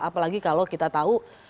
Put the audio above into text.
apalagi kalau kita tahu